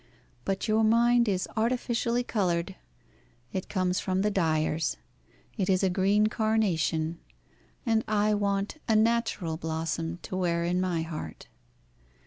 But your mind is artificially coloured: it comes from the dyer's. It is a green carnation; and I want a natural blossom to wear in my heart."